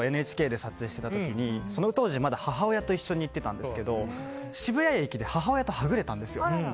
ＮＨＫで撮影してた時にその当時、まだ母親と一緒に行ってたんですけど渋谷駅で母親とはぐれたんですよ。